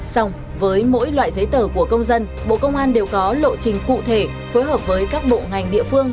xong với mỗi loại giấy tờ của công dân bộ công an đều có lộ trình cụ thể phối hợp với các bộ ngành địa phương